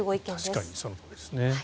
確かにそのとおりですね。